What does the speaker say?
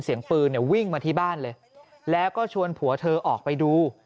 เสียงปืนเนี่ยวิ่งมาที่บ้านเลยแล้วก็ชวนผัวเธอออกไปดู